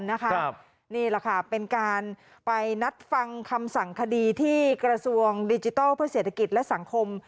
นี่แหละค่ะเป็นการไปนัดฟังคำสั่งคดีที่กระทรวงดิจิทัลเพื่อเศรษฐกิจและสังคม